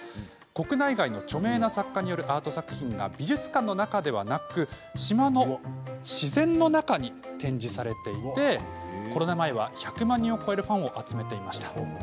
国内外の著名な作家によるアート作品が美術館の中ではなく島の自然の中に展示されていてコロナ前は１００万人を超えるファンを集めていました。